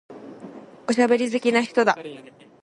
おしゃべり好きな人だ。